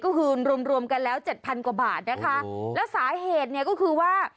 ก็คือรวมรวมกันแล้วเจ็ดพันกว่าบาทนะคะแล้วสาเหตุเนี่ยก็คือว่า